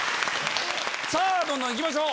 さぁどんどん行きましょう！